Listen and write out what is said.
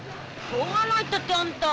しょうがないったってあんた。